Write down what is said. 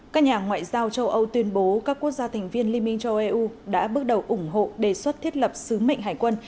các nhà ngoại giao châu âu tuyên bố các quốc gia thành viên liên minh châu âu đã bước đầu ủng hộ đề xuất thiết lập sứ mệnh hải quân